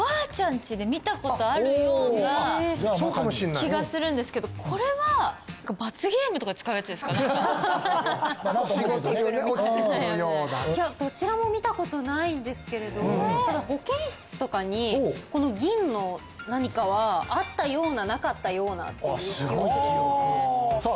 家で見たことあるような気がするんですけどこれは落ちてくるみたいなどちらも見たことないんですけれどただ保健室とかにこの銀の何かはあったようななかったようなっていう記憶ですねさあ